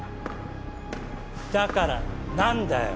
だからなんだよ？